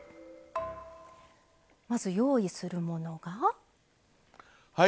まず用意するものが材料です。